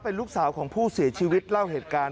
เป็นลูกสาวของผู้เสียชีวิตเล่าเหตุการณ์